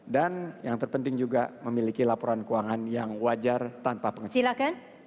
dan yang terpenting juga memiliki laporan keuangan yang wajar tanpa pengecualian